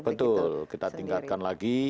betul kita tingkatkan lagi